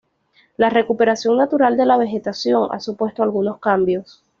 La recuperación natural de la vegetación ha supuesto algunos cambios.